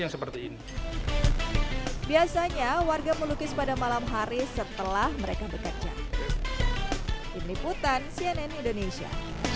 seperti ini biasanya warga melukis pada malam hari setelah mereka bekerja tim liputan cnn indonesia